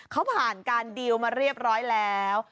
เขาผ่านการดีลมาเรียบร้อยแล้ว